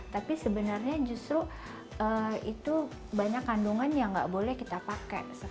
tapi sebenarnya justru itu banyak kandungan yang nggak boleh kita pakai